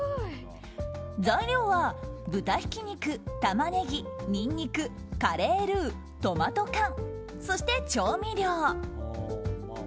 材料は豚ひき肉、タマネギニンニクカレールー、トマト缶そして調味料。